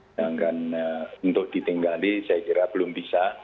sedangkan untuk ditinggali saya kira belum bisa